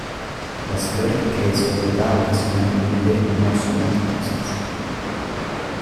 Las flores que solo da ocasionalmente no son vistosas.